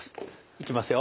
いきますよ。